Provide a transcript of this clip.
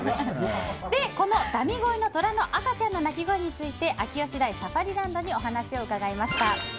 このダミ声のトラの赤ちゃんの泣き声について秋吉台サファリランドにお話を伺いました。